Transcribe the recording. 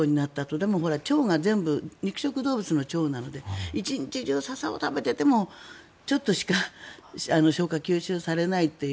でも、腸が全部肉食動物の腸なので１日中、ササを食べていてもちょっとしか消化吸収されないという。